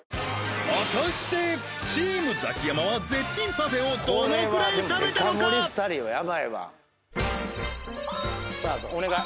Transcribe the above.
果たしてチームザキヤマは絶品パフェをどのくらい食べたのかお願い